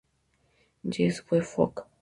Yes, we fuck!